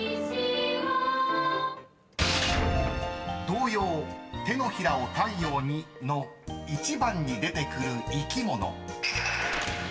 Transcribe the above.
［童謡『手のひらを太陽に』の１番に出てくる生き物］